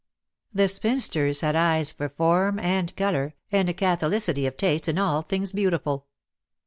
The spinsters had eyes for form and colour, and a catholicity of taste in all things beautiful.